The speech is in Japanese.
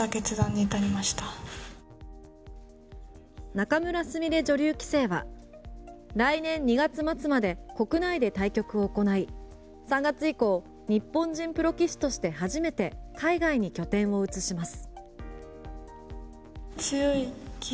仲邑菫女流棋聖は来年２月末まで国内で対局を行い３月以降日本人プロ棋士として初めて海外に拠点を移します。